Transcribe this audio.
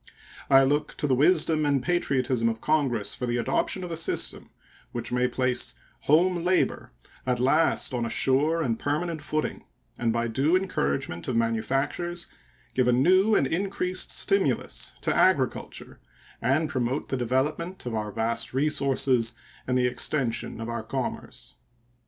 I look to the wisdom and patriotism of Congress for the adoption of a system which may place home labor at last on a sure and permanent footing and by due encouragement of manufactures give a new and increased stimulus to agriculture and promote the development of our vast resources and the extension of our commerce.